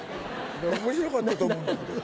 面白かったと思うんだけど。